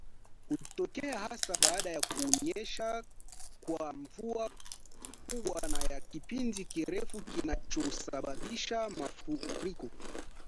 Hutokea hasa baada ya kunyesha kwa mvua kubwa na ya kipindi kirefu kinachosababisha mafuriko